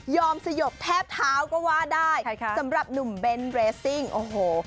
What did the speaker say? สยบแทบเท้าก็ว่าได้สำหรับหนุ่มเบ้นเรสซิ่งโอ้โห